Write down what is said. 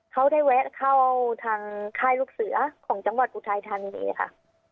เขาได้แวะเข้าทางค่ายลูกเสือของจังหวัดอุทัยธานีค่ะ